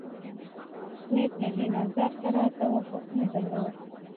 سمیت له دې نظر سره توافق نه درلود.